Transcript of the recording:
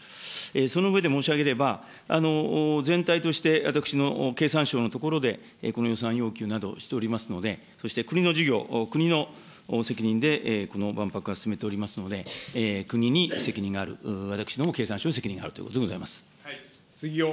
その上で申し上げれば、全体として、私の経産省のところでこの予算要求などをしておりますので、そして、国の事業、国の責任でこの万博は進めておりますので、国に責任がある、私ども経産省に責任があるということでございます。